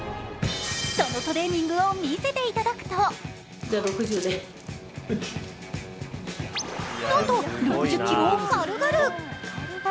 そのトレーニングを見せていただくとなんと６０ｋｇを軽々。